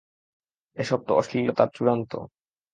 এসব তো অশ্লীলতার চূড়ান্ত।